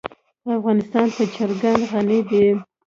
افغانستان په چرګان غني دی.